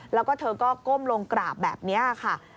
แล้วก็เธอก็ก้มลงกราบแบบนี้ค่ะ